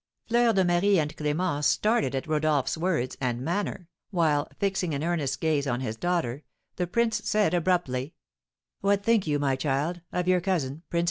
Fleur de Marie and Clémence started at Rodolph's words and manner, while, fixing an earnest gaze on his daughter, the prince said, abruptly: "What think you, my child, of your cousin, Prince Henry?"